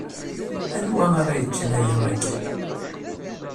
Anwa ara yeččen aya akk?